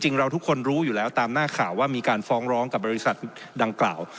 เราทุกคนรู้อยู่แล้วตามหน้าข่าวว่ามีการฟ้องร้องกับบริษัทดังกล่าว